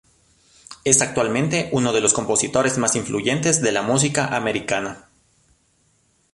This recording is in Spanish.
Es actualmente uno de los compositores más influyentes de la música americana.